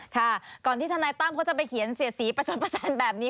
ค่ะก่อนที่ทนายตั้มเขาจะไปเขียนเสียสีประชดประสานแบบนี้